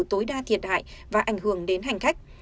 tối đa thiệt hại và ảnh hưởng đến hành khách